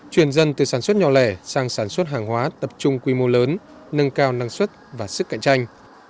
chuyển dân từ sản xuất nhỏ lẻ sang sản xuất hàng hóa tập trung quy mô lớn nâng cao năng suất và sức cạnh tranh